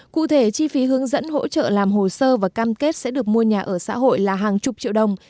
cụ thể chi phí hướng dẫn hỗ trợ làm hồ sơ và cam kết sẽ được mua nhà ở xã hội là hàng chục triệu đồng